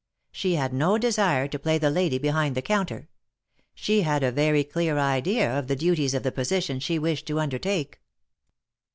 She had no desire to play the lady behind the counter. She had a very clear idea of the duties of the position she wished to undertake.